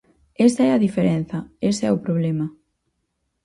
Esa é a diferenza, ese é o problema.